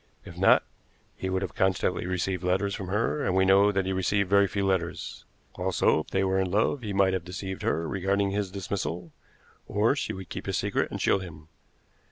If not, he would have constantly received letters from her, and we know that he received very few letters. Also, if they were in love, he might have deceived her regarding his dismissal, or she would keep his secret and shield him.